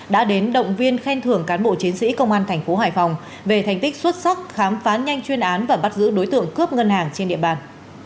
đã đến động viên khen thưởng cán bộ chiến sĩ công an thành phố hải phòng về thành tích xuất sắc khám phá nhanh chuyên án và bắt giữ đối tượng cướp ngân hàng trên địa bàn